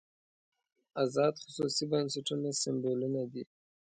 ازاد خصوصي بنسټونه سېمبولونه دي.